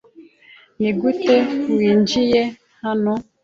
Nigute winjiye hano?